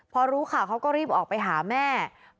พอรู้ข่าวเขาก็รีบออกไปหาแม่